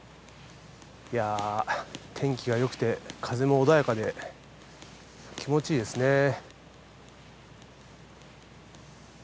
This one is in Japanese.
いや天気がよくて風も穏やかで気持ちいいですね。